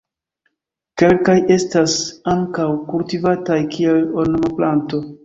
Kelkaj estas ankaŭ kultivataj kiel ornamplanto.